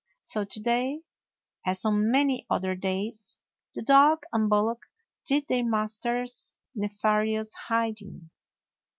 So to day, as on many other days, the dog and bullock did their master's nefarious bidding.